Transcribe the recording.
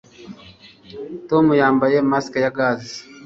tom yambaye mask ya gaze